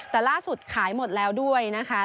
แต่ล่าสุดขายหมดแล้วด้วยนะคะ